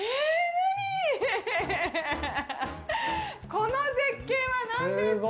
この絶景はなんですか。